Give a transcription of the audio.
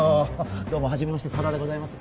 どうも初めまして佐田でございます